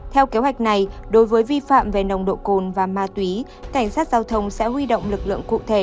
theo kế hoạch này đối với vi phạm về nồng độ cồn và ma túy cảnh sát giao thông sẽ huy động lực lượng cụ thể